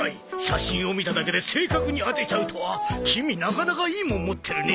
写真を見ただけで正確に当てちゃうとはキミなかなかいいもん持ってるね。